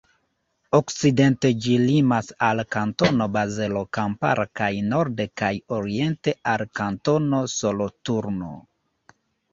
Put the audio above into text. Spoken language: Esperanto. Okcidente ĝi limas al Kantono Bazelo Kampara kaj norde kaj oriente al Kantono Soloturno.